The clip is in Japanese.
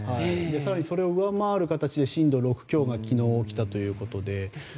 更にそれを上回る形で震度６強が昨日起きたということで。